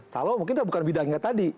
kalau mungkin bukan bidangnya tadi